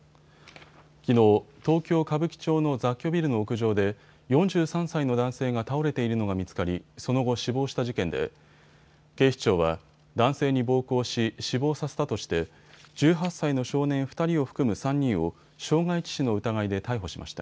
きのう、東京歌舞伎町の雑居ビルの屋上で４３歳の男性が倒れているのが見つかりその後、死亡した事件で警視庁は男性に暴行し死亡させたとして１８歳の少年２人を含む３人を傷害致死の疑いで逮捕しました。